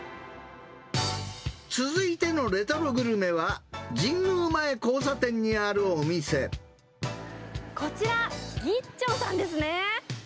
続いてのレトログルメは、こちら、ぎっちょんさんですね。